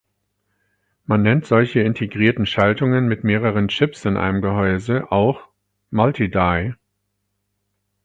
Man nennt solche integrierten Schaltungen mit mehreren Chips in einem Gehäuse auch Multi-Die.